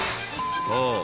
［そう。